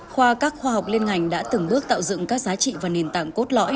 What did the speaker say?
khoa các khoa học liên ngành đã từng bước tạo dựng các giá trị và nền tảng cốt lõi